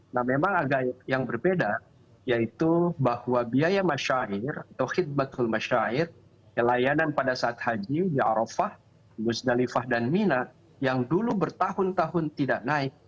nah memang agak yang berbeda yaitu bahwa biaya masyair atau khidmatul masyair layanan pada saat haji di arafah muzdalifah dan mina yang dulu bertahun tahun tidak naik